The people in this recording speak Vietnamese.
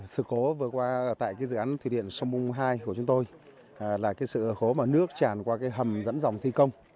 sự cố vừa qua tại dự án thủy điện sông mung hai của chúng tôi là sự hố mà nước tràn qua hầm dẫn dòng thi công